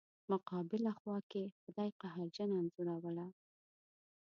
مقابله خوا کې خدای قهرجنه انځوروله.